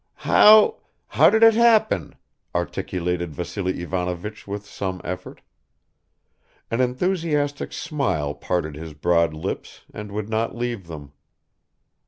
"How how did it happen?" articulated Vassily Ivanovich with some effort. An enthusiastic smile parted his broad lips and would not leave them.